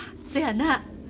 そやな。